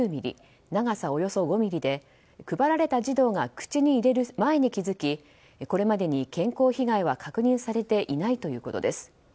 長さおよそ５ｍｍで配られた児童が口に入れる前に気づきこれまでに健康被害は確認されていないということです。